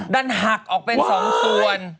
มันหักออกเป็น๒ส่วน